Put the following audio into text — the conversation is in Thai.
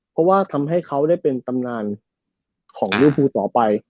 เพราะทำให้เขาได้เป็นตำนานของเรื้อพูดต่อไป